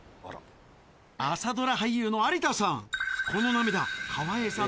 朝ドラ俳優の有田さん！